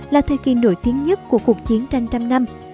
là thời kỳ nổi tiếng nhất của cuộc chiến tranh trăm năm